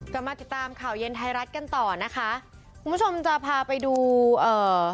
กลับมาติดตามข่าวเย็นไทยรัฐกันต่อนะคะคุณผู้ชมจะพาไปดูเอ่อ